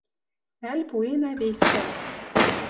Ӓль пуэнӓ вестям